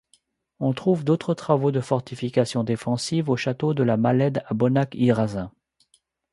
On trouve d’autres travaux de fortifications défensives au château de la Malède à Bonac-Irazein.